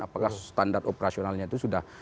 apakah standar operasionalnya itu sudah